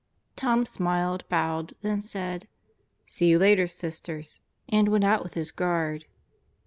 Tom smiled, bowed, then said, "See you later, Sisters," and went out with his guard.